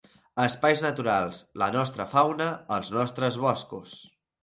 Espais naturals, la nostra fauna, els nostres boscos.